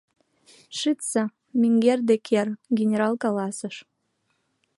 — Шичса, менгер Деккер, — генерал каласыш.